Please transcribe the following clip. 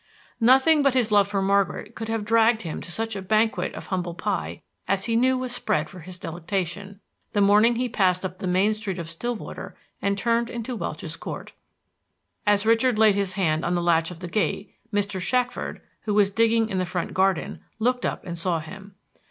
Nothing but his love for Margaret could have dragged him to such a banquet of humble pie as he knew was spread for his delectation, the morning he passed up the main street of Stillwater and turned into Welch's Court. As Richard laid his hand on the latch of the gate, Mr. Shackford, who was digging in the front garden, looked up and saw him.